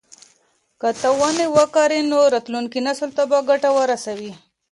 که ته ونې وکرې نو راتلونکي نسل ته به ګټه ورسوي.